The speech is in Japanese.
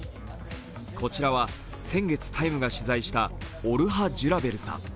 こちらは、先月「ＴＩＭＥ，」が取材したオルハ・ジュラベルさん。